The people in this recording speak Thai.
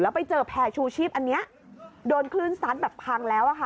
ไปเจอแพร่ชูชีพอันนี้โดนคลื่นซัดแบบพังแล้วอะค่ะ